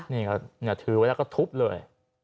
นี่ก็ถือไว้แล้วก็ทุบเลย